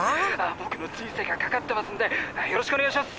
僕の人生がかかってますんでよろしくお願いします。